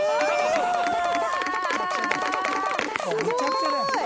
すごい！